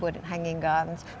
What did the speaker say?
di ubud hanging gardens